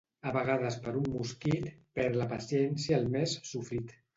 A vegades per un mosquit, perd la paciència el més «sofrit».